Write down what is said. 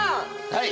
はい。